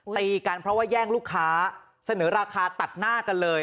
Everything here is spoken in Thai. ตีกันเพราะว่าแย่งลูกค้าเสนอราคาตัดหน้ากันเลย